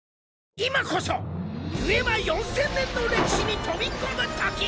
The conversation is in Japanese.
今こそデュエマ４０００年の歴史に飛び込むとき。